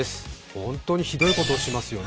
本当にひどいことをしますよね。